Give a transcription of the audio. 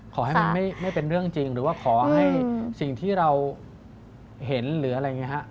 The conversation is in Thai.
ขอให้มันไม่เป็นเรื่องจริงหรือว่าขอให้สิ่งที่เราเห็นหรืออะไรอย่างนี้ฮะ